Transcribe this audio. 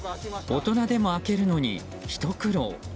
大人でも開けるのにひと苦労。